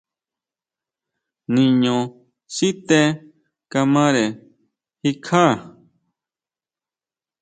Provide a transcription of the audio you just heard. Niño sité kamare jikjá.